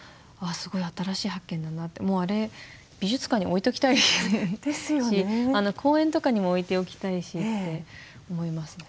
すごい新しい発見だなってもうあれ美術館に置いときたいし公園とかにも置いておきたいしって思いますね。